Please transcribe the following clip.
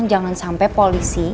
jangan sampai polisi